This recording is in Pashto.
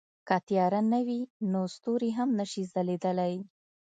که تیاره نه وي نو ستوري هم نه شي ځلېدلی.